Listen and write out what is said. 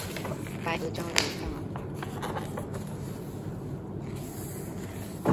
白河交流道